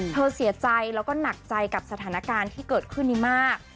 เธอเสียใจแล้วก็หนักใจกับสถานการณ์ที่เกิดขึ้นนี้มาก